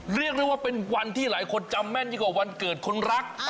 เรียกได้ว่าเป็นวันที่หลายคนจำแม่นยิ่งกว่าวันเกิดคนรัก